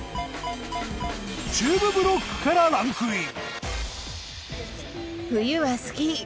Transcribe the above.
中部ブロックからランクイン。